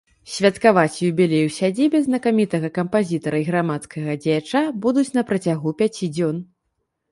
Святкаваць юбілей у сядзібе знакамітага кампазітара і грамадскага дзеяча будуць на працягу пяці дзён.